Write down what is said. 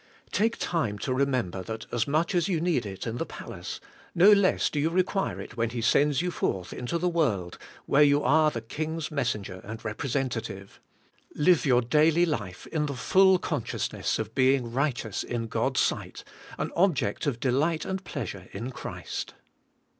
Take time to remember that as much as you need it in the palace, no less do you require it when He sends you forth into the world, where you are the King's messenger and representative. Live your daily life in the full consciousness of being righteous in God's sight, an object of delight and pleasure in Christ.